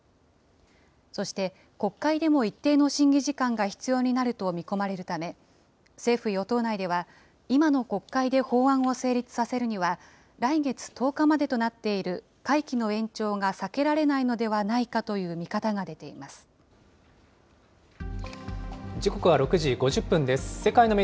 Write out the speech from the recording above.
そして国会でも一定の審議時間が必要になると見込まれるため、政府・与党内では、今の国会で法案を成立させるには、来月１０日までとなっている会期の延長が避けられないのではない時刻は６時５０分です。